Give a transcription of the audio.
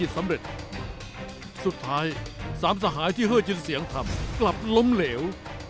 สำเร็จสุดท้าย๓สหายที่เหลือจิลเสียงธรรมกลับล้มเหลว